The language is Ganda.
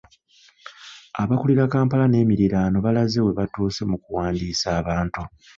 Abakulira Kampala n’emiriraano balaze we batuuse mu kuwandiisa abantu.